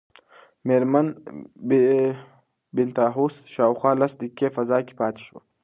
مېرمن بینتهاوس شاوخوا لس دقیقې فضا کې پاتې شوه.